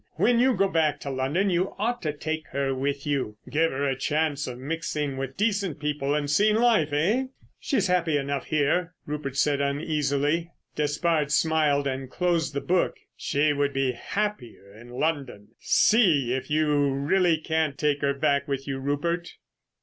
When you go back to London, you ought to take her with you; give her a chance of mixing with decent people and seeing life, eh?" "She's happy enough here," Rupert said uneasily. Despard smiled and closed the book. "She would be happier in London. See if you really can't take her back with you, Rupert....